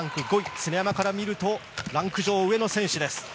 常山から見るとランク上は上の選手です。